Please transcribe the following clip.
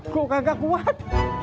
gue kagak kuat